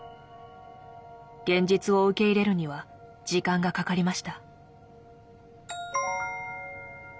現実を受け入れるには時間がかかりました。